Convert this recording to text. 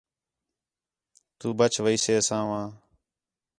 تُو بچ ویسے اَساں وا